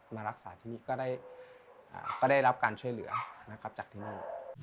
มารักษาที่นี่ก็ได้รับการช่วยเหลือนะครับจากที่นั่น